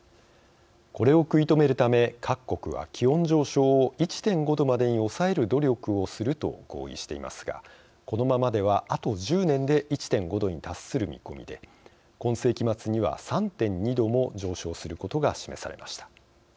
これを食い止めるため各国は気温上昇を１．５℃までに抑える努力をすると合意していますがこのままでは、あと１０年で１．５℃に達する見込みで今世紀末には３．２℃も上昇することが示されました。